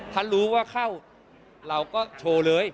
ถ้ารู้ว่าเข้าเราก็โชว์เลย